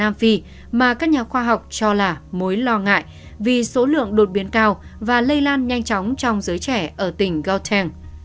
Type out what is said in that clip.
nam phi mà các nhà khoa học cho là mối lo ngại vì số lượng đột biến cao và lây lan nhanh chóng trong giới trẻ ở tỉnh goldten